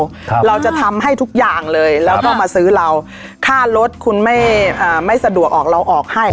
ครับเราจะทำให้ทุกอย่างเลยแล้วก็มาซื้อเราค่ารถคุณไม่อ่าไม่สะดวกออกเราออกให้